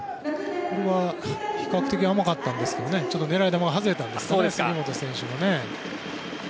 比較的甘かったんですけどね狙い球が外れたんですね。